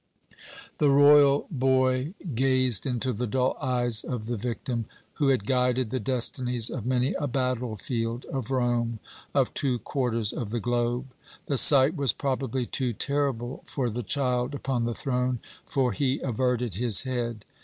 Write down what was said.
The royal boy gazed into the dull eyes of the victim, who had guided the destinies of many a battlefield, of Rome, of two quarters of the globe. The sight was probably too terrible for the child upon the throne, for he averted his head.